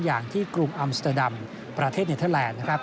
อย่างที่กรุงอัมสเตอร์ดัมประเทศเนเทอร์แลนด์นะครับ